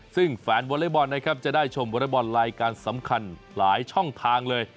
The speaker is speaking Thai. ซึ่งแฟนวอเล็กบอลนะครับจะได้ชมวอเล็กบอลรายการสำคัญหลายช่องทางเลย